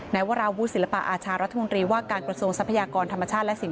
นายวราวุศิลปาอาชาณรัฐมนตรี